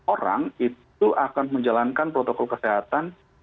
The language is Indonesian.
orang itu akan menjalankan protokol kesehatan